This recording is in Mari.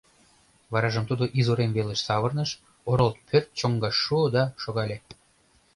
Варажым тудо изурем велыш савырныш, орол пӧрт чоҥгаш шуо да шогале.